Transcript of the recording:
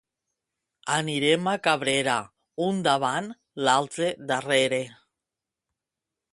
Anirem a Cabrera, un davant, l'altre darrere.